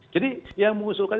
jadi yang mengusulkan